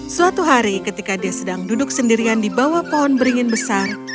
suatu hari ketika dia sedang duduk sendirian di bawah pohon beringin besar